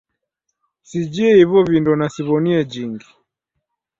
Sijhie ivo vindo na siviw'onie jhingi!